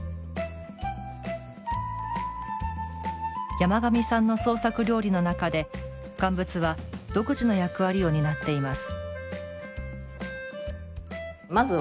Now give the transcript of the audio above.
山上さんの創作料理の中で乾物は独自の役割を担っています。